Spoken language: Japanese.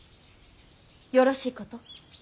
よろしいこと。